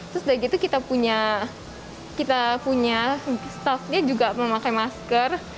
terus dari itu kita punya kita punya staffnya juga memakai masker